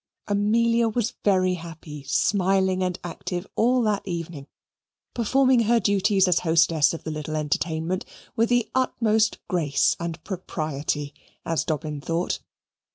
Amelia was very happy, smiling, and active all that evening, performing her duties as hostess of the little entertainment with the utmost grace and propriety, as Dobbin thought.